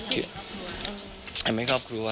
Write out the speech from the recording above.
อันไม่ครอบครัว